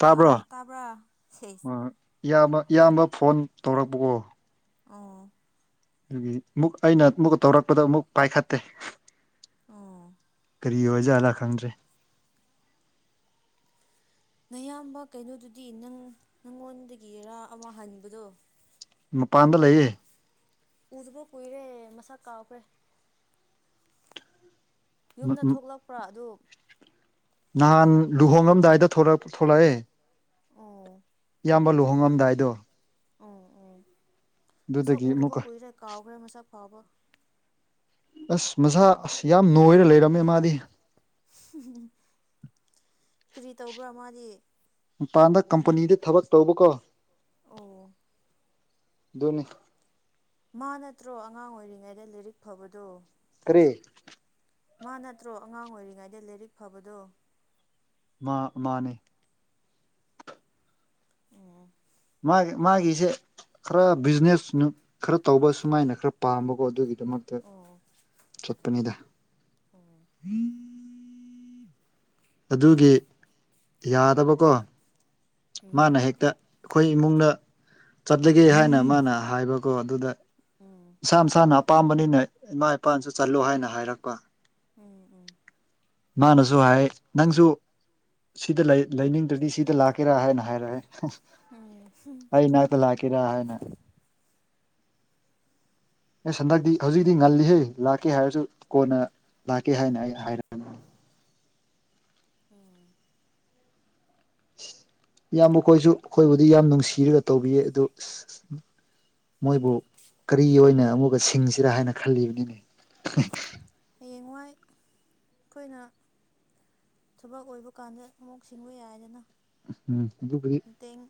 ꯇꯥꯕ꯭ꯔꯣ ꯑꯣ ꯇꯥꯕ꯭ꯔꯥ ꯁꯦꯁ ꯏꯌꯥꯝꯕ ꯏꯌꯥꯝꯕ ꯐꯣꯟ ꯇꯧꯔꯛꯄꯀꯣ ꯑꯣ ꯑꯗꯨꯒꯤ ꯑꯃꯨꯛ ꯑꯩꯅ ꯑꯃꯨꯛꯀ ꯇꯧꯔꯛꯄꯗ ꯑꯃꯨꯛ ꯄꯥꯏꯈꯠꯇꯦ ꯑꯣ ꯀꯔꯤ ꯑꯣꯏ ꯖꯥꯠꯂꯥ ꯈꯪꯗ꯭ꯔꯦ ꯅꯌꯥꯝꯕ ꯀꯩꯅꯣꯗꯨꯗꯤ ꯅꯪ ꯅꯪꯉꯣꯟꯗꯒꯤ ꯔꯥ ꯑꯃ ꯍꯕꯗꯣ ꯃꯄꯥꯟꯗ ꯂꯩꯌꯦ ꯎꯗꯕ ꯀꯨꯏꯔꯦ ꯃꯁꯛ ꯀꯥꯥꯎꯈ꯭ꯔꯦ ꯌꯨꯝꯗ ꯊꯣꯛꯂꯛꯄ꯭ꯔꯥ ꯑꯗꯨꯝ ꯅꯍꯥꯟ ꯂꯨꯍꯣꯡꯉꯝꯗꯥꯏꯗ ꯊꯣꯔꯝ ꯊꯣꯛꯂꯛꯑꯦ ꯑꯣ ꯏꯌꯥꯝꯕ ꯂꯨꯍꯣꯡꯉꯝꯗꯥꯏꯗꯣ ꯎ ꯑꯣ ꯃꯁꯥꯛ ꯑꯗꯨꯗꯒꯤ ꯎꯗꯕ ꯑꯃꯨꯛꯀ ꯀꯨꯏꯔꯦ ꯀꯥꯎꯈ꯭ꯔꯦ ꯃꯁꯥ ꯐꯥꯎꯕ ꯑꯁ ꯃꯁꯥ ꯑꯁ ꯌꯥꯝ ꯅꯣꯏꯔ ꯂꯩꯔꯝꯃꯦ ꯃꯥꯗꯤ ꯎ ꯀꯔꯤ ꯇꯧꯕ꯭ꯔꯥ ꯃꯥꯗꯤ ꯃꯄꯥꯟꯗ ꯀꯝꯄꯅꯤꯗ ꯊꯕꯛ ꯇꯧꯕ ꯀꯣ ꯑꯣ ꯗꯨꯅꯤ ꯃꯥ ꯅꯠꯇ꯭ꯔꯣ ꯑꯉꯥꯡ ꯑꯣꯏꯔꯤꯉꯩꯗ ꯂꯔꯤꯛ ꯐꯕꯗꯣ ꯀꯔꯤ ꯃꯥ ꯅꯠꯇ꯭ꯔꯣ ꯑꯉꯥꯡ ꯑꯣꯏꯔꯤꯉꯩꯗ ꯂꯩꯔꯤꯛ ꯐꯕꯗꯣ ꯃꯥ ꯃꯥꯅꯦ ꯑꯣ ꯃꯥꯒꯤ ꯃꯥꯒꯤꯁꯦ ꯈꯔ ꯕꯤꯖꯤꯅꯦꯁ ꯅꯨ ꯈꯔ ꯇꯧꯕ ꯁꯨꯃꯥꯏꯅ ꯈꯔ ꯄꯥꯝꯕꯀꯣ ꯑꯗꯨꯒꯤ ꯇꯨꯃꯛꯇꯦ ꯑꯣ ꯆꯠꯄꯅꯤꯗ ꯑꯣ [inaudible] ꯑꯗꯨꯒꯤ ꯌꯥꯗꯕꯀꯣ ꯃꯥꯅ ꯎꯝ ꯍꯦꯛꯇ ꯑꯩꯈꯣꯏ ꯏꯃꯨꯡꯅ ꯆꯠꯂꯒꯦ ꯍꯥꯏꯅ ꯃꯥꯅ ꯍꯥꯏꯕꯀꯣ ꯑꯗꯨꯗ ꯎꯝ ꯃꯁꯥ ꯃꯁꯥꯅ ꯑꯄꯥꯝꯕꯅꯤꯅ ꯏꯃꯥ ꯏꯄꯥꯅꯁꯨ ꯆꯠꯂꯨ ꯍꯥꯏꯅ ꯍꯥꯏꯔꯛꯄ ꯎꯝ ꯎꯝ ꯃꯥꯅꯁꯨ ꯍꯥꯏ ꯅꯪꯁꯨ ꯁꯤꯗ ꯂꯩ ꯂꯩꯅꯤꯡꯗ꯭ꯔꯗꯤ ꯁꯤꯗ ꯂꯥꯛꯀꯦꯔꯥ ꯍꯥꯏꯅ ꯍꯥꯏꯔꯛꯑꯦ ꯎꯝ ꯑꯩ ꯅꯥꯛꯇ ꯂꯥꯛꯀꯔꯥ ꯍꯥꯏꯅ ꯑꯁ ꯍꯟꯗꯛꯇꯤ ꯍꯧꯖꯤꯛꯇꯤ ꯉꯜꯂꯤꯍꯦ ꯂꯥꯛꯀꯦ ꯍꯥꯏꯔꯁꯨ ꯀꯣꯟꯅ ꯂꯥꯛꯀꯦ ꯍꯥꯏꯅ ꯑꯩ ꯍꯥꯏ [unintelligible] ꯑꯣꯝ ꯏꯌꯥꯝꯕ ꯈꯣꯏꯁꯨ ꯑꯩꯈꯣꯏꯕꯨꯗꯤ ꯌꯥꯝ ꯅꯨꯡꯁꯤꯔꯒ ꯇꯧꯕꯤꯌꯦ ꯑꯗꯨ ꯃꯣꯏꯕꯨ ꯀꯔꯤ ꯑꯣꯏꯅ ꯑꯃꯨꯛꯀ ꯁꯤꯡꯁꯤꯔꯥ ꯍꯥꯏꯅ ꯈꯜꯂꯤꯕꯅꯤꯅꯦ ꯍꯌꯦꯡꯋꯥꯏ ꯑꯩꯈꯣꯏꯅ ꯊꯕꯛ ꯑꯣꯏꯕ ꯀꯥꯟ ꯎꯝ ꯑꯗꯨꯕꯨꯗꯤ ꯃꯇꯦꯡ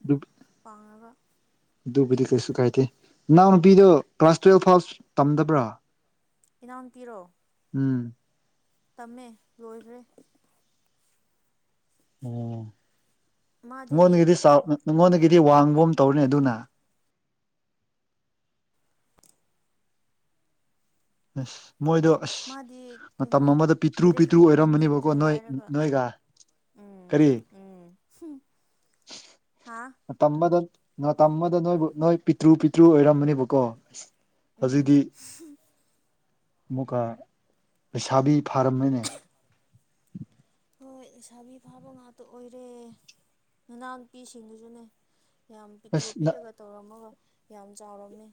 ꯄꯥꯡꯉꯒ ꯗꯨꯕꯨꯗꯤ ꯀꯩꯁꯨ ꯀꯥꯏꯇꯦ ꯅꯎꯅ ꯄꯤꯗꯣ ꯀ꯭ꯂꯥꯁ ꯇꯨꯋꯦꯜꯐ ꯐꯥꯎ ꯇꯝꯗꯕ꯭ꯔꯥ ꯏꯅꯥꯎꯅꯨꯄꯤꯔꯣ ꯎꯝ ꯇꯝꯃꯦ ꯂꯣꯏꯒ꯭ꯔꯦ ꯑꯣ ꯃꯥꯗꯤ ꯅꯪꯉꯣꯟꯗꯒꯤꯗꯤ ꯆꯥꯎ ꯅꯉꯣꯟꯗꯒꯤꯗꯤ ꯋꯥꯡꯕ ꯑꯃ ꯇꯧꯔꯅꯤ ꯑꯗꯨꯅ ꯑꯁ ꯃꯣꯏꯗꯣ ꯑꯁ ꯃꯥꯗꯤ ꯀꯩꯅꯣ ꯃꯇꯝ ꯑꯃꯗ ꯄꯤꯛꯇ꯭ꯔꯨ ꯂꯥꯏꯔꯤꯛ ꯄꯤꯇ꯭ꯔꯨ ꯑꯃꯨꯛ ꯑꯣꯏꯔꯝꯕꯅꯦꯕꯀꯣ ꯇꯝꯅꯤꯡꯗ꯭ꯔꯦ ꯅꯣꯏ ꯍꯥꯏꯔꯒ ꯅꯣꯏꯒ ꯎꯝ ꯀꯔꯤ ꯎꯝ [unintelligible] ꯍꯥꯥ ꯅꯇꯝꯕꯗ ꯅꯇꯝꯕꯗ ꯅꯣꯏꯕꯨ ꯅꯣꯏ ꯄꯤꯇ꯭ꯔꯨ ꯄꯤꯇ꯭ꯔꯨ ꯑꯣꯏꯔꯝꯕꯅꯦꯕꯀꯣ ꯍꯧꯖꯤꯛꯗꯤ ꯎꯝ ꯑꯃꯨꯛꯀ ꯂꯩꯁꯥꯕꯤ ꯐꯥꯔꯝꯃꯦꯅꯦ ꯍꯣꯏ ꯁꯥꯥꯕꯤ ꯐꯥꯕ ꯉꯥꯛꯇ ꯑꯣꯏꯔꯦ ꯅꯅꯥꯎ ꯅꯨꯨꯄꯤꯁꯤꯡꯗꯨꯁꯨꯅꯦ ꯌꯥꯝ ꯄꯤꯛꯇ꯭ꯔꯨ ꯑꯁ ꯅ ꯄꯤꯛꯑꯒ ꯇꯧꯔꯝꯃꯒ ꯌꯥꯝ ꯆꯥꯎꯔꯝꯃꯦ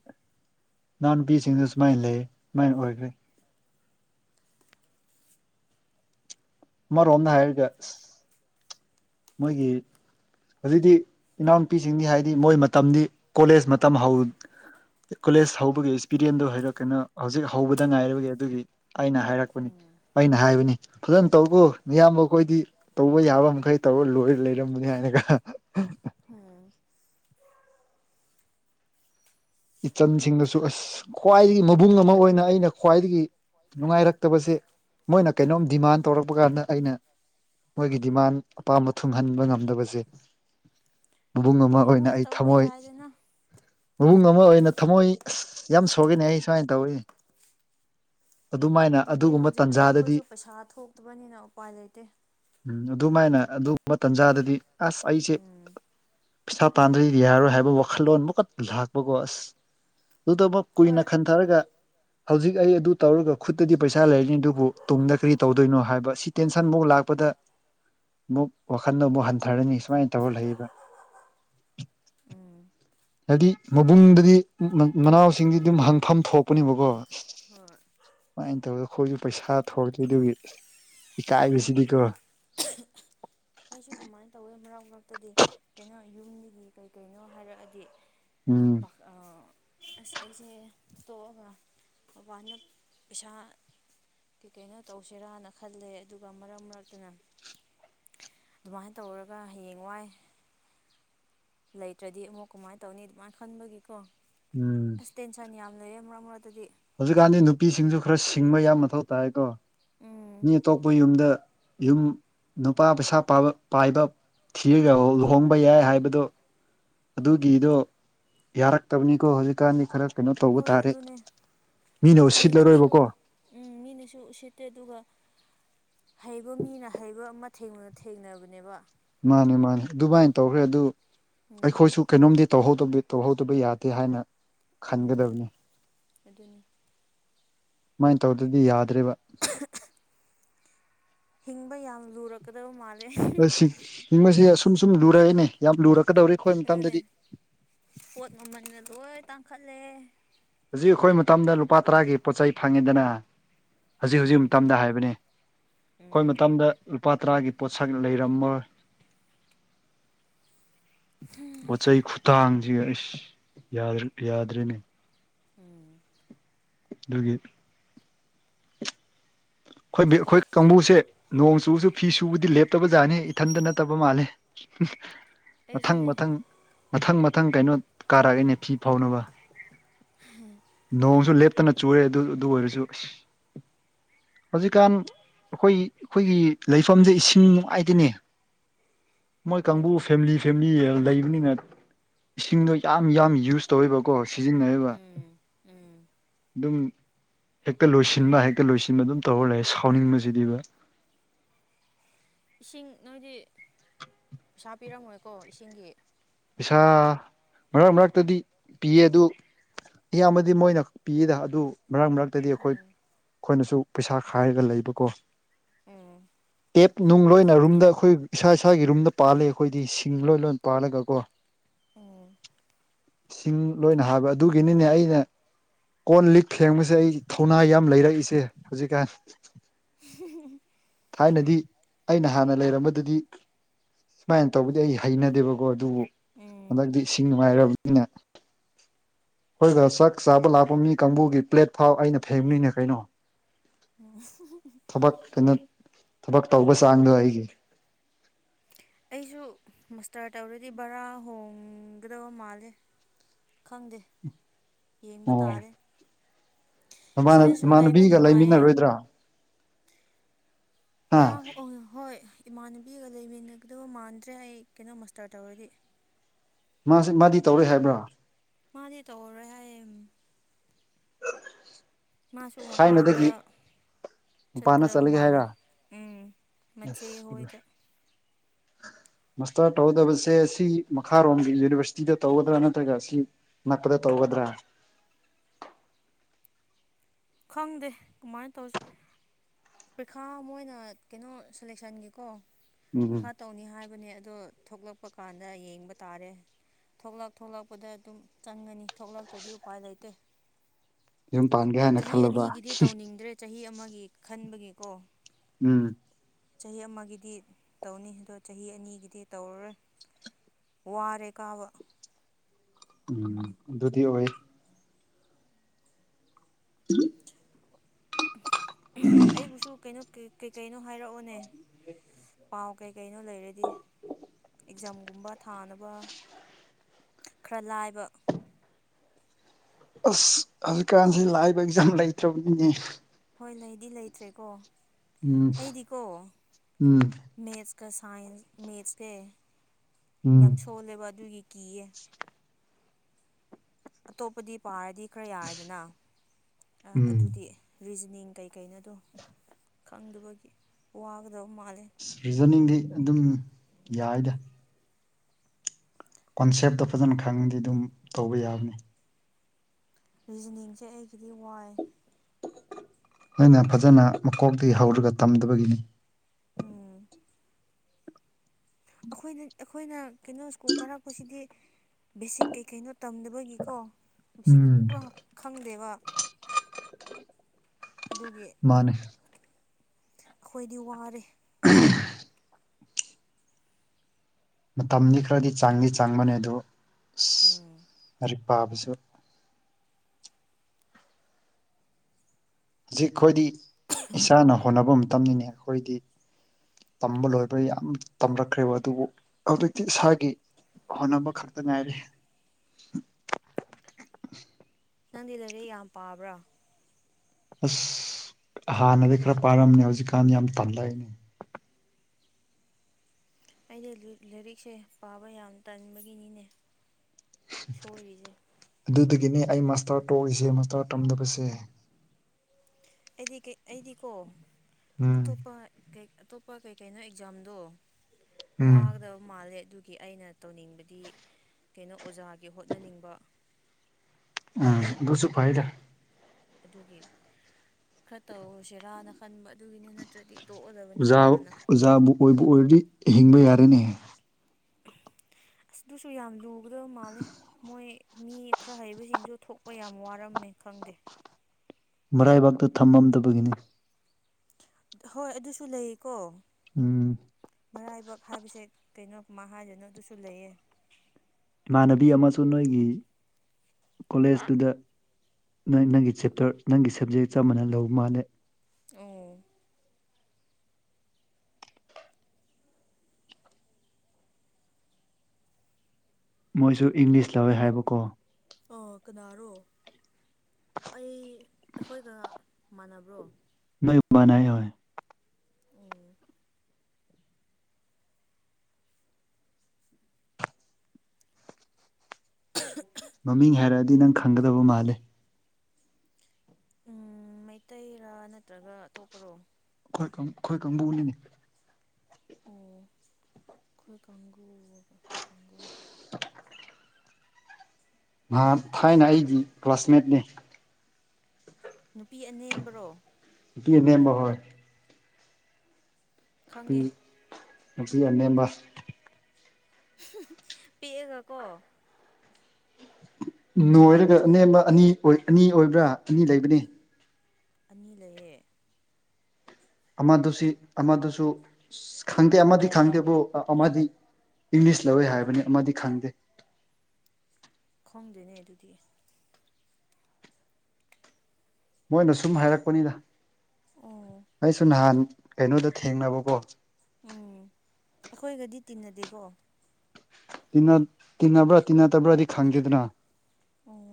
ꯅꯍꯥꯟ ꯅꯨꯄꯤꯁꯤꯡꯗꯨ ꯁꯨꯃꯥꯏꯅ ꯂꯩꯌꯦ ꯃꯩ ꯑꯣꯏꯈ꯭ꯔꯦ ꯃꯔꯣꯝꯅ ꯍꯥꯏꯔꯒ ꯃꯣꯏꯒꯤ ꯍꯧꯖꯤꯛꯇꯤ ꯏꯅꯥꯎꯅꯨꯄꯤꯁꯤꯡꯗꯤ ꯍꯥꯏꯗꯤ ꯃꯣꯏ ꯃꯇꯝꯗꯤ ꯀꯣꯂꯦꯖ ꯃꯇꯝ ꯍꯧ ꯀꯣꯂꯦꯖ ꯍꯧꯕꯒꯤ ꯑꯦꯛꯁꯄꯤꯔꯤꯌꯦꯟꯗꯗꯨ ꯍꯥꯏꯔꯛꯀꯦꯅꯣ ꯍꯧꯖꯤꯛ ꯍꯧꯕꯗ ꯉꯥꯏꯔꯕꯒꯤ ꯑꯗꯨꯒꯤ ꯑꯩꯅ ꯍꯥꯏꯔꯛꯄꯅꯤ ꯎꯝ ꯑꯩꯅ ꯍꯥꯏꯕꯅꯤ ꯐꯖꯅ ꯇꯧꯀ‌ꯣ ꯃꯤꯌꯥꯝꯕ ꯑꯩꯈꯣꯏꯗꯤ ꯇꯧꯕ ꯌꯥꯕ ꯃꯈꯩ ꯇꯧꯔ ꯂꯣꯏꯔ ꯂꯩꯔꯝꯕꯅꯤ ꯍꯥꯏꯅꯒ ꯎꯝ ꯏꯆꯟꯁꯤꯡꯗꯁꯨ ꯑꯁ ꯈ꯭ꯋꯥꯏꯗꯒꯤ ꯃꯕꯨꯡ ꯑꯃ ꯑꯣꯏꯅ ꯑꯩꯅ ꯈ꯭ꯋꯥꯏꯗꯒꯤ ꯅꯨꯡꯉꯥꯏꯔꯛꯇꯕꯁꯦ ꯃꯣꯏꯅ ꯀꯩꯅꯣꯝ ꯗꯤꯃꯥꯟ ꯇꯧꯔꯛꯄ ꯀꯥꯟꯗ ꯑꯩꯅ ꯃꯣꯏꯒꯤ ꯗꯤꯃꯥꯟ ꯑꯄꯥꯝꯕ ꯊꯨꯡꯍꯟꯕ ꯉꯝꯗꯕꯖꯦ ꯃꯕꯨꯡ ꯑꯃ ꯑꯣꯏꯅ ꯍꯌꯦꯡꯋꯥꯏ ꯑꯩ ꯇꯧꯕ ꯊꯝꯃꯣꯏ ꯌꯥꯏꯗꯅ ꯃꯕꯨꯡ ꯑꯃ ꯑꯣꯏꯅ ꯊꯝꯃꯣꯏ ꯑꯁ ꯌꯥꯝ ꯁꯣꯛꯏꯅꯦ ꯑꯩ ꯁꯃꯥꯏ ꯇꯧꯔꯦ ꯑꯗꯨꯗꯤ ꯍꯧꯖꯤꯛꯇꯤ ꯑꯩꯈꯣꯏꯁꯨ ꯄꯩꯁꯥ ꯊꯣꯛꯇꯕꯅꯤꯅ ꯎꯄꯥꯏ ꯂꯩꯇꯦ ꯎꯝ ꯑꯗꯨꯃꯥꯏꯅ ꯑꯗꯨꯝꯕ ꯇꯟꯖꯥꯗꯗꯤ ꯑꯁ ꯑꯩꯁꯦ ꯎꯝ ꯄꯩꯁꯥ ꯇꯥꯟꯗ꯭ꯔꯗꯤ ꯌꯥꯔꯣꯏ ꯍꯥꯏꯕ ꯋꯥꯈꯜꯂꯣꯟ ꯑꯃꯨꯛꯀ ꯂꯥꯛꯄꯒꯣ ꯑꯁ ꯑꯗꯨꯗꯃꯛ ꯀꯨꯏꯅ ꯍꯣꯏ ꯈꯟꯊꯔꯒ ꯍꯧꯖꯤꯛ ꯑꯩ ꯑꯗꯨ ꯇꯧꯔꯒ ꯈꯨꯠꯇꯗꯤ ꯄꯩꯁꯥ ꯂꯩꯔꯤꯅꯤ ꯑꯗꯨꯕꯨ ꯇꯨꯡꯗ ꯀꯔꯤ ꯇꯧꯗꯣꯏꯅꯣ ꯍꯥꯏꯕ ꯁꯤ ꯇꯦꯟꯁꯟꯃꯨꯛ ꯂꯥꯛꯄꯗ ꯑꯃꯨꯛ ꯋꯥꯈꯟꯗꯣ ꯑꯃꯨꯛ ꯍꯟꯊꯔꯅꯤ ꯁꯨꯃꯥꯏꯅ ꯇꯧꯔ ꯂꯩꯕ ꯎꯝ ꯑꯗꯤ ꯃꯕꯨꯡꯗꯗꯤ ꯃꯅꯥꯎꯁꯤꯡꯒꯤ ꯑꯗꯨꯝ ꯍꯪꯐꯝ ꯊꯣꯛꯄꯅꯦꯕꯀꯣ ꯍꯣꯏ ꯁꯨꯃꯥꯏꯅ ꯇꯧꯔ ꯑꯩꯈꯣꯏꯁꯨ ꯄꯩꯁꯥ [unintelligible] ꯊꯣꯛꯂꯛꯏ ꯑꯗꯨꯒꯤ ꯏꯀꯥꯏꯕꯁꯤꯗꯤꯀꯣ ꯑꯩꯁꯨ ꯑꯗꯨꯃꯥꯏꯅ ꯇꯧꯋꯦ ꯃꯔꯛ ꯃꯔꯛꯇꯗꯤ ꯀꯩꯅꯣ ꯌꯨꯝꯗꯒꯤ ꯀꯩ ꯀꯩꯅꯣ ꯍꯥꯏꯔꯛꯑꯗꯤ ꯎꯝ [unintelligible] ꯑꯁ ꯑꯩꯁꯦ ꯇꯣꯛꯑꯒ ꯃꯄꯥꯟꯗ ꯄꯩꯁꯥ ꯀꯦ ꯀꯩꯅꯣ ꯇꯧꯁꯤꯔꯥꯅ ꯈꯜꯂꯦ ꯑꯗꯨꯒ ꯃꯔꯛ ꯃꯔꯛꯇꯅ ꯗꯨꯃꯥꯏꯅ ꯇꯧꯔꯒ ꯍꯌꯦꯡꯋꯥꯏ ꯂꯩꯇ꯭ꯔꯗꯤ ꯑꯃꯨꯛ ꯀꯃꯥꯏꯅ ꯇꯧꯅꯤ ꯑꯗꯨꯃꯥꯏꯅ ꯈꯟꯕꯒꯤꯀꯣ ꯎꯝ ꯑꯁ ꯇ‌ꯦꯟ ꯐꯅꯌꯥꯝ ꯂꯩꯔꯦ ꯃꯔꯛ ꯃꯔꯛꯇꯗꯤ ꯍꯧꯖꯤꯛꯀꯥꯟꯗꯤ ꯅꯨꯄꯤꯁꯤꯡꯁꯨ ꯈꯔ ꯁꯤꯡꯕ ꯌꯥꯝ ꯃꯊꯧ ꯇꯥꯏꯀꯣ ꯎꯝ ꯃꯤ ꯑꯇꯣꯞ ꯄꯨ ꯌꯨꯝꯗ ꯌꯨꯝ ꯅꯨꯄꯥ ꯄꯩꯁꯥ ꯄꯥꯕ ꯄꯥꯏꯕ [unintelligible] ꯂꯨꯍꯣꯡꯕ ꯌꯥꯏ ꯍꯥꯏꯕꯗꯣ ꯑꯗꯨꯒꯤꯗꯣ ꯌꯥꯔꯛꯇꯕꯅꯤꯀꯣ ꯍꯧꯖꯤꯛꯀꯥꯟꯗꯤ ꯈꯔ ꯀꯩꯅꯣ ꯇꯧꯕ ꯍꯣꯏ ꯇꯥꯔꯦ ꯑꯗꯨꯅꯦ ꯃꯤꯅ ꯍꯩꯇ꯭ꯔꯁꯨ ꯎꯁꯤꯠꯂꯔꯣꯏꯕꯀꯣ ꯎꯝ ꯃꯤꯅꯁꯨ ꯎꯁꯤꯠꯇꯦ ꯑꯗꯨꯒ ꯍꯩꯕ ꯃꯤꯅ ꯍꯩꯕ ꯑꯃ ꯊꯦꯡ ꯊꯦꯡꯅꯕꯅꯦꯕꯥ ꯃꯥꯅꯦ ꯃꯥꯅꯦ ꯑꯗꯨꯃꯥꯏꯅ ꯇꯧꯈ꯭ꯔꯦ ꯑꯗꯨ ꯎꯝ ꯑꯩꯈꯣꯏꯁꯨ ꯀꯩꯅꯣꯝꯗꯤ ꯇꯧꯍꯧꯗꯕꯤ ꯇꯧꯍꯧꯗꯕ ꯌꯥꯗꯦ ꯍꯥꯏꯅ ꯎꯝ ꯈꯟꯒꯗꯕꯅꯤ ꯑꯗꯨꯅꯤ ꯃꯥꯏꯟ ꯇꯧꯗꯔꯗꯤ ꯌꯥꯗ꯭ꯔꯦꯕ ꯍꯤꯡꯕ ꯌꯥꯝ ꯂꯨꯔꯛꯀꯗꯕ ꯃꯥꯜ [unintelligible] ꯍꯤꯡꯕꯁꯦ ꯑꯁꯨꯝ ꯁꯨꯝ ꯂꯨꯔꯛꯑꯦꯅꯦ ꯌꯥꯝ ꯂꯨꯔꯛꯀꯗꯧꯔꯦ ꯑꯗꯨꯅꯦ ꯄꯣꯠ ꯃꯃꯜꯅ ꯂꯣꯏ ꯇꯥꯡꯈꯠꯂꯦ ꯍꯧꯖꯤꯛ ꯑꯩꯈꯣꯏ ꯃꯇꯝꯗ ꯂꯨꯄꯥ ꯇꯔꯥꯒꯤ ꯄꯣꯠ ꯆꯩ ꯐꯪꯉꯤꯗꯅ ꯍꯧꯖꯤꯛ ꯍꯧꯖꯤꯛ ꯎꯝ ꯃꯇꯝꯗ ꯍꯥꯏꯕꯅꯦ ꯑꯩꯈꯣꯏ ꯎꯝ ꯃꯇꯝꯗ ꯂꯨꯄꯥ ꯇꯔꯥꯒꯤ ꯄꯣꯠꯁꯛ ꯂꯩꯔꯝꯃꯣꯏ [inaudible] ꯄꯣꯠ ꯆꯩꯩ ꯈꯨꯇꯥꯡꯁꯤꯒ ꯑꯁ ꯌꯥ ꯌꯥꯗ꯭ꯔꯦꯅꯦ ꯎꯝ ꯑꯗꯨꯒꯤ ꯑꯩꯈꯣꯏ ꯑꯩꯈꯣꯏ ꯀꯥꯡꯕꯨꯁꯦ ꯅꯣꯡ ꯆꯨꯕꯁꯨ ꯐꯤ ꯁꯨꯕꯗꯤ ꯂꯦꯞꯇꯕꯖꯥꯠꯅꯤ ꯏꯊꯟꯇ ꯅꯠꯇꯕ ꯃꯥꯜꯂꯦ ꯃꯊꯪ ꯑꯩꯁꯨꯅꯦ ꯃꯊꯪ ꯃꯊꯪ ꯃꯊꯪ ꯀꯩꯅꯣ ꯀꯥꯔꯛꯏꯅꯦ ꯐꯤ ꯐꯧꯅꯕ ꯅꯣꯡꯁꯨ ꯂꯦꯞꯇꯅ ꯆꯨꯏꯔꯦ ꯑꯗꯨ ꯑꯗꯨ ꯑꯣꯏꯔꯁꯨ ꯍꯧꯖꯤꯛꯀꯥꯟ ꯑꯩꯈꯣꯏ ꯑꯩꯈꯣꯏꯒꯤ ꯂꯩꯐꯝꯁꯦ ꯏꯁꯤꯡ ꯅꯨꯡꯉꯥꯏꯗ‌ꯦꯅꯦ ꯃꯣꯏ ꯀꯥꯡꯕꯨ ꯑꯣ ꯐꯦꯃꯤꯂꯤ ꯐꯦꯃꯤꯂꯤ ꯂꯩꯕꯅꯤꯅ ꯏꯁꯤꯡꯗꯣ ꯌꯥꯝ ꯌꯥꯝ ꯌꯨꯁ ꯇꯧꯋꯦꯕ ꯀꯣ ꯁꯤꯖꯤꯟꯅꯩꯕ ꯎꯝ ꯎꯝ ꯑꯗꯨꯝ ꯍꯦꯛꯇ ꯂꯣꯏꯁꯤꯟꯕ ꯍꯦꯛ ꯍꯦꯛꯇ ꯂꯣꯏꯁꯤꯟꯕ ꯑꯗꯨꯝ ꯇꯧꯔ ꯂꯥꯛꯑꯦ ꯁꯥꯎꯅꯤꯡꯕꯁꯤꯗꯤꯕ ꯏꯁꯤꯡ ꯅꯣꯏꯗꯤ ꯄꯩꯁꯥ ꯄꯤꯔꯝꯃꯣꯏꯀꯣ ꯏꯁꯤꯡꯒꯤ ꯄꯩꯁꯥ ꯃꯔꯛ ꯃꯔꯛꯇꯗꯤ ꯄꯤꯌꯦ ꯑꯗꯨ ꯏꯌꯥꯝꯕꯗꯤ ꯃꯣꯏꯅ ꯄꯤꯌꯦꯗ ꯑꯗꯨ ꯃꯔꯛ ꯃꯔꯛꯇꯗꯤ ꯑꯩꯈꯣꯏ ꯎꯝ ꯑꯩꯈꯣꯏꯅꯁꯨ ꯄꯩꯁꯥ ꯈꯥꯏꯔꯒ ꯂꯩꯕꯀꯣ ꯑꯦ ꯇꯦꯞ ꯅꯨꯡ ꯂꯣꯏꯅ ꯔꯨꯝꯗ ꯑꯩꯈꯣꯏ ꯏꯁꯥ ꯏꯁꯥꯒꯤ ꯔꯨꯝꯗ ꯄꯥꯜꯂꯤ ꯑꯩꯈꯣꯏꯗꯤ ꯁꯤꯡ ꯂꯣꯏ ꯂꯣꯏꯅ ꯄꯥꯜꯂꯒ ꯀꯣ ꯎꯝ ꯁꯤꯡ ꯂꯣꯏꯅ ꯍꯥꯏꯕ ꯑꯗꯨꯒꯤꯅꯤꯅꯦ ꯑꯩꯅ ꯀꯣꯟ ꯂꯤꯛ ꯐꯦꯡꯕꯁꯦ ꯑꯩ ꯊꯧꯅꯥ ꯌꯥꯝ ꯂꯩꯔꯛꯏꯁꯦ ꯍꯧꯖꯤꯛꯀꯥꯟ [unintelligible] ꯊꯥꯏꯅꯗꯤ ꯑꯩꯅ ꯍꯥꯟꯅ ꯂꯩꯔꯝꯕꯗꯨꯗꯤ ꯁꯨꯃꯥꯏꯅ ꯇꯧꯕꯗꯤ ꯑꯩ ꯍꯩꯅꯗꯦꯕꯀꯣ ꯑꯗꯨꯕꯨ ꯎꯝ ꯍꯟꯗꯛꯇꯤ ꯏꯁꯤꯡ ꯅꯨꯡꯉꯥꯏꯔꯕꯅꯤꯅ ꯑꯩꯈꯣꯏꯒ ꯆꯥꯛ ꯆꯥꯕ ꯂꯥꯛꯄ ꯃꯤ ꯀꯥꯡꯕꯨꯒꯤ ꯄ꯭ꯂꯦꯠ ꯐꯥꯎ ꯑꯩꯅ ꯐꯦꯡꯕꯅꯤꯅꯦ ꯀꯩꯅꯣ [unintelligible] ꯊꯕꯛ ꯀꯩꯅꯣ ꯊꯕꯛ ꯇꯧꯕ ꯆꯥꯡꯗꯣ ꯑꯩꯒꯤ ꯑꯩꯁꯨ ꯃꯁꯇꯥ꯭ꯔꯠ ꯇꯧꯔꯗꯤ ꯕꯔꯥ ꯍꯣꯡꯒꯗꯕ ꯃꯥꯜꯂꯦ ꯈꯪꯗꯦ ꯌꯦꯡꯕ ꯑꯣ ꯇꯥꯔꯦ ꯅꯃꯥꯟꯅ ꯁꯤꯗꯁꯨ ꯂꯩꯕ ꯅꯃꯥꯟꯅꯕꯤꯒ ꯅꯨꯡꯉꯥꯏꯌꯦ ꯂꯩꯃꯤꯟꯅꯔꯣꯏꯗ꯭ꯔꯥ ꯍꯥ ꯕꯔꯥ ꯍꯣꯏ ꯏꯃꯥꯟꯅꯕꯤꯒ ꯂꯩꯃꯤꯟꯅꯒꯗꯕ ꯃꯥꯟꯗ꯭ꯔꯦ ꯑꯩ ꯀꯩꯅꯣ ꯃꯁꯇꯔ ꯇꯧꯔꯗꯤ ꯃꯥꯁꯤ ꯃꯥꯗꯤ ꯇꯧꯔꫭꯏ ꯍꯥꯏꯕ꯭ꯔꯥ ꯃꯥꯗꯤ ꯇꯧꯔꯣꯏ ꯍꯥꯏꯌꯦ ꯃꯥꯁꯨ ꯃꯄꯥꯟꯗ ꯊꯥꯏꯅꯗꯒꯤ ꯃꯄꯥꯟꯗ ꯆꯠꯀꯗꯕ ꯆꯠꯂꯒꯦ ꯃꯥꯜꯂꯦ ꯍꯥꯏꯔ ꯎꯝ ꯃꯆꯦ ꯑꯁ ꯍꯣꯏꯗ ꯃꯥꯁꯇꯔ ꯇꯧꯒꯗꯕꯁꯦ ꯑꯁꯤ ꯃꯈꯥꯔꯣꯝꯒꯤ ꯌꯨꯅꯤꯚ꯭ꯔꯁꯤꯇꯤꯗ ꯇꯧꯒꯗ꯭ꯔꯥ ꯅꯠꯇ꯭ꯔꯒ ꯑꯁꯤ ꯅꯠꯇꯔꯒ ꯇꯧꯒꯗ꯭ꯔꯥ ꯈꯪꯗꯦ ꯀꯃꯥꯏꯅ ꯇꯧꯁꯤ ꯄ꯭ꯔꯤꯈꯥ ꯃꯣꯏꯅ ꯀꯩꯅꯣ ꯁꯦꯂꯦꯛꯁꯟꯒꯤꯀꯣ ꯎꯝ ꯄꯩꯈꯥ ꯇꯧꯅꯤ ꯍꯥꯏꯕꯅꯦ ꯑꯗꯣ ꯊꯣꯛꯂꯛꯄ ꯀꯥꯟꯗ ꯌꯦꯡꯕ ꯇꯥꯔꯦ ꯊꯣꯛꯂꯛ ꯊꯣꯛꯂꯛꯄꯗ ꯑꯗꯨꯝ ꯆꯪꯒꯅꯤ ꯊꯣꯛꯂꯛꯇ꯭ꯔꯗꯤ ꯎꯄꯥꯏ ꯂꯩꯇꯦ ꯌꯨꯝ ꯄꯥꯟꯒꯦ ꯍꯥꯏꯅ ꯆꯍꯤ ꯈꯜꯂꯕ ꯑꯅꯤꯒꯤꯗꯤ ꯇꯧꯅꯤꯡꯗ꯭ꯔꯦ ꯆꯍꯤ ꯑꯃꯒꯤ ꯈꯟꯕꯒꯤꯀꯣ ꯎꯝ ꯆꯍꯤ ꯑꯃꯒꯤꯗꯤ ꯇꯧꯅꯤ ꯑꯗꯣ ꯆꯍꯤ ꯑꯅꯤꯒꯤꯗꯤ ꯇꯧꯔꯔꯣꯏ ꯋꯥꯔꯦ ꯀꯥꯕ ꯎꯝ ꯑꯗꯨꯗꯤ ꯑꯣꯏ [inaudible] ꯑꯩꯕꯨꯁꯨ ꯀꯩꯅꯣ ꯀꯩ ꯀꯩꯅꯣ ꯍꯥꯏꯔꯛꯑꯣꯅꯦ ꯄꯥꯎ ꯀꯩꯀꯩꯅꯣ ꯂꯩꯔꯗꯤ ꯑꯦꯛꯖꯥꯝꯒꯨꯝꯕ ꯊꯥꯅꯕ ꯈꯔ ꯂꯥꯏꯕ ꯑꯁ ꯍꯧꯖꯤꯛꯀꯥꯟꯁꯤ ꯂꯥꯛꯕ ꯑꯦꯛꯖꯥꯝ ꯂꯩꯇ꯭ꯔꯕꯅꯤꯅꯦ ꯍꯣꯏ ꯂꯩꯗꯤ ꯂꯩꯇ꯭ꯔꯦꯀꯣ ꯎꯝ ꯑꯩꯗꯤꯀꯣ ꯎꯝ ꯃꯦꯠꯁꯀ ꯁꯥꯏꯟꯁ ꯃꯦꯠꯁꯦ ꯎꯝ ꯌꯥꯝ ꯁꯣꯜꯂꯦꯕ ꯑꯗꯨꯒꯤ ꯀꯤꯌꯦ ꯑꯇꯣꯞꯄꯗꯤ ꯄꯥꯔꯗꯤ ꯈꯔ ꯌꯥꯔꯦꯗꯅ ꯎꯝ ꯑꯗꯨꯗꯤ ꯔꯤꯖꯅꯤꯡ ꯀꯩꯀꯩꯅꯗꯣ ꯈꯪꯗꯕꯒꯤ ꯋꯥꯒꯗꯕ ꯃꯥꯜꯂꯦ ꯔꯤꯖꯅꯤꯡꯗꯤ ꯑꯗꯨꯝ ꯌꯥꯏꯗ ꯀꯣꯟꯁꯦꯞꯇꯣ ꯐꯖꯅ ꯈꯪꯉꯗꯤ ꯑꯗꯨꯝ ꯇꯧꯕ ꯌꯥꯕꯅꯤ ꯔꯤꯖꯅꯤꯡꯁꯦ ꯑꯩꯒꯤꯗꯤ ꯋꯥꯏ ꯅꯣꯏꯅ ꯐꯖꯅ ꯃꯀꯣꯛꯇꯒꯤ ꯍꯧꯔꯒ ꯇꯝꯗꯕꯒꯤꯅꯤ ꯎꯝ ꯑꯩꯈꯣꯏꯅ ꯑꯩꯈꯣꯏꯅ ꯀꯩꯅꯣ ꯁ꯭ꯀꯨꯜ ꯀꯥꯔꯛꯄꯁꯤꯗꯤ ꯕꯦꯁꯤꯛ ꯀꯩꯀꯩꯅꯣ ꯇꯝꯗꯕꯒꯤꯀꯣ ꯎꯝ ꯄꯨꯔꯥ ꯈꯪꯗꯦꯕ ꯑꯗꯨꯒꯤ ꯃꯥꯅꯦ ꯑꯩꯈꯣꯏꯗꯤ ꯋꯥꯔꯦ ꯃꯇꯝꯗꯤ ꯈꯔꯗꯤ ꯆꯥꯡꯗꯤ ꯆꯥꯡꯕꯅꯦ ꯑꯗꯨ ꯑꯁ ꯎꯝ ꯂꯥꯏꯔꯤꯛ ꯄꯥꯕꯁꯨ ꯍꯧꯖꯤꯛ ꯑꯩꯈꯣꯏꯗꯤ ꯏꯁꯥꯅ ꯍꯣꯠꯅꯕ ꯃꯇꯝꯅꯤꯅꯦ ꯑꯩꯈꯣꯏꯗꯤ ꯇꯝꯕ ꯂꯣꯏꯕ ꯌꯥꯝ ꯇꯝꯂꯛꯈ꯭ꯔꯦꯕ ꯑꯗꯨꯕꯨ ꯍꯧꯖꯤꯛꯇꯤ ꯏꯁꯥꯒꯤ ꯍꯣꯠꯅꯕ ꯈꯛꯇ ꯉꯥꯏꯔꯦ ꯅꯪꯗꯤ ꯂꯩꯥꯏꯔꯤꯛ ꯌꯥꯝ ꯄꯥꯕ꯭ꯔꯥ ꯑꯁ ꯍꯥꯟꯅꯗꯤ ꯈꯔ ꯄꯥꯔꯝꯕꯅꯦ ꯍꯧꯖꯤꯛꯀꯥꯟ ꯌꯥꯝ ꯇꯟꯂꯦꯅꯦ ꯑꯩꯗꯤ ꯂꯥꯏꯔꯤꯛꯁꯦ ꯄꯥꯕ ꯌꯥꯝ ꯇꯟꯕꯒꯤꯅꯤꯅꯦ ꯁꯣꯏꯔꯤꯁꯦ ꯑꯗꯨꯗꯒꯤꯅꯤ ꯑꯩ ꯃꯁꯇꯥꯔ ꯇꯣꯛꯏꯁꯦ ꯃꯁꯇꯥꯔ ꯇꯝꯗꯕꯁꯦ ꯑꯩꯗꯤ ꯑꯩꯗꯤꯀꯣ ꯎꯝ ꯑꯇꯣꯞꯄ ꯑꯇꯣꯞꯄ ꯀꯩ ꯀꯩꯅꯣ ꯑꯦꯛꯖꯥꯝꯗꯣ ꯎꯝ ꯋꯥꯒꯗꯕ ꯃꯥꯜꯂꯦ ꯑꯗꯨꯒꯤ ꯑꯩꯅ ꯇꯧꯅꯤꯡꯕꯗꯤ ꯀꯩꯅꯣ ꯑꯣꯖꯥꯒꯤ ꯍꯣꯠꯅꯅꯤꯡꯕ ꯎꯝ ꯑꯗꯨꯁꯨ ꯐꯩꯗ ꯑꯗꯨꯒꯤ ꯈꯔ ꯇꯧꯔꯁꯤꯔꯥꯅ ꯈꯟꯕ ꯑꯗꯨꯒꯤꯅꯤ ꯅꯠꯇ꯭ꯔꯗꯤ ꯖꯥ ꯇꯣꯛꯑꯗꯕꯅꯤꯅ ꯍꯥꯟꯅ ꯑꯣꯖꯥꯕꯨ ꯑꯣꯏꯕꯨ ꯑꯣꯏꯔꯗꯤ ꯍꯤꯡꯕ ꯌꯥꯔꯦꯅꯦ ꯑꯁ ꯑꯗꯨꯁꯨ ꯌꯥꯝ ꯂꯨꯒꯗꯕ ꯃꯥꯜꯂꯦ ꯃꯣꯏ ꯃꯤ ꯈꯔ ꯍꯩꯕꯁꯤꯡꯁꯨ ꯊꯣꯛꯄ ꯌꯥꯝ ꯋꯥꯔꯝꯃꯦ ꯈꯪꯗꯦ ꯃꯔꯥꯏꯕꯥꯛꯇ ꯇꯝꯃꯝꯗꯕꯒꯤꯅꯤ ꯍꯣꯏ ꯑꯗꯨꯁꯨ ꯂꯩꯌꯦꯀꯣ ꯎꯝ ꯃꯔꯥꯏꯕꯛ ꯍꯥꯏꯕꯁꯦ ꯀꯩꯅꯣ ꯃꯥꯍꯥꯏꯗꯣꯏꯅꯨ ꯑꯗꯨꯁꯨ ꯂꯩꯌꯦ ꯏꯃꯥꯟꯅꯕꯤ ꯑꯃꯁꯨ ꯅꯣꯏꯒꯤ ꯀꯣꯂꯦꯖꯇꯨꯗ ꯅꯪꯒꯤ ꯆꯦꯞꯇꯔ ꯅꯪꯒꯤ ꯁꯕꯖꯦꯛ ꯆꯞ ꯃꯥꯟꯅ ꯂꯧꯕ ꯃꯥꯜꯂꯦ ꯑꯣ ꯃꯣꯏꯁꯨ ꯏꯪꯂꯤꯁ ꯂꯧꯋꯦ ꯍꯥꯏꯕꯀꯣ ꯑꯣ ꯀꯅꯥꯔꯣ ꯑꯩ ꯑꯩꯈꯣꯏꯒ ꯃꯥꯟꯅꯕ꯭ꯔꯣ ꯅꯣꯏ ꯃꯅꯩ ꯍꯣꯏ ꯎꯝ ꯑꯥꯍꯥꯝ ꯃꯃꯤꯡ ꯍꯥꯏꯔꯛꯑꯗꯤ ꯅꯪ ꯈꯪꯒꯗꯕ ꯃꯥꯜꯂꯦ ꯃꯩꯇꯩꯔꯥ ꯅꯠꯇ꯭ꯔꯒ ꯑꯇꯣꯞꯄꯔꯣ ꯑꯩꯈꯣꯏ ꯑꯩꯈꯣꯏ ꯀꯥꯡꯕꯨꯅꯤꯅꯤ ꯑꯣ ꯑꯩꯈꯣꯏ ꯀꯥꯡꯒꯨ ꯈꯣꯏ ꯀꯥꯡꯒꯨ INAUDIBLE ꯑꯥ ꯊꯥꯏꯅ ꯑꯩꯒꯤ ꯀ꯭ꯂꯥꯁꯃꯦꯠꯅꯤ ꯅꯨꯄꯤ ꯑꯅꯦꯝꯕꯔꯣ ꯅꯨꯄꯤ ꯑꯅꯦꯝꯕ ꯍꯣꯏ ꯈꯪꯉꯦ ꯅꯨꯄꯤ ꯅꯨꯄꯤ ꯑꯅꯦꯝꯕ ꯄꯦꯜꯂꯣ ꯀꯣ ꯅꯣꯏꯔꯒ ꯑꯅꯦꯝꯕ ꯑꯅꯤ ꯑꯅꯤ ꯑꯣꯏꯕ꯭ꯔꯥ ꯑꯅꯤ ꯂꯩꯕꯅꯤ ꯑꯅꯤ ꯂꯩꯌꯦ ꯑꯃꯗꯨꯁꯤ ꯑꯃꯗꯨꯁꯨ ꯑ ꯈꯪꯗꯦ ꯑꯃꯗꯤ ꯈꯪꯗꯦꯕꯨ ꯑꯃꯗꯤ ꯏꯪꯂꯤꯁ ꯂꯧꯋꯦ ꯍꯥꯏꯕꯅꯤ ꯑꯃꯗꯤ ꯈꯪꯗꯦ ꯈꯪꯗꯣꯏꯅꯦ ꯑꯗꯨꯗꯤ ꯃꯣꯏꯅ ꯁꯨꯝ ꯍꯥꯏꯔꯛꯄꯅꯤꯅ ꯑꯣ ꯑꯩꯁꯨ ꯅꯍꯥꯟ ꯀꯩꯅꯣꯗ ꯊꯦꯡꯅꯕꯀꯣ ꯎꯝ ꯑꯩꯈꯣꯏꯒꯗꯤ ꯇꯤꯟꯅꯗꯦꯀꯣ ꯇꯤꯟꯅꯕ꯭ꯔꯥ ꯇꯤꯟꯅ ꯇꯕ꯭ꯔꯥꯗꯤ ꯈꯪꯗꯦꯗꯅ ꯑꯣ